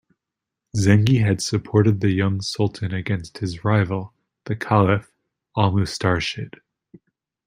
Zengi had supported the young sultan against his rival, the caliph Al-Mustarshid.